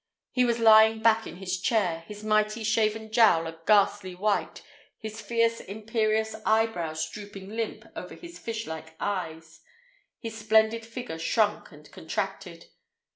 He was lying back in his chair, his mighty shaven jowl a ghastly white, his fierce imperious eyebrows drooping limp over his fishlike eyes, his splendid figure shrunk and contracted.